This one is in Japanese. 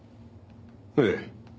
ええ。